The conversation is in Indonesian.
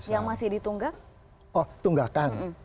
yang masih ditunggang oh tunggakan